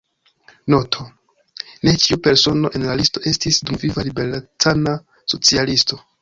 Noto: ne ĉiu persono en la listo estis dumviva liberecana socialisto.